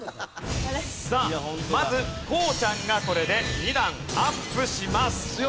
さあまずこうちゃんがこれで２段アップします。